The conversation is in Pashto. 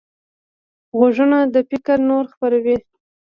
غوږونه د فکر نور خپروي